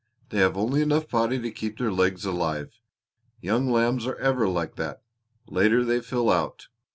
They have only enough body to keep their legs alive. Young lambs are ever like that. Later they fill out.